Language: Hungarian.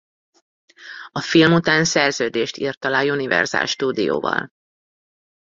A film után szerződést írt alá a Universal stúdióval.